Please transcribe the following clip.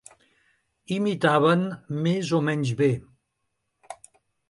Imitaven més o menys bé.